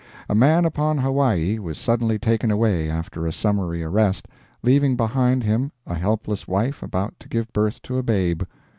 "A man upon Hawaii was suddenly taken away after a summary arrest, leaving behind him a helpless wife about to give birth to a babe.